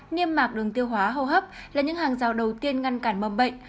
niêm mạc đường tiêu hóa hô hấp là những hàng rào đầu tiên ngăn cản mầm bệnh